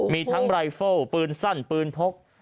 มีทั้งรายเฟิลปืนสั้นปืนพก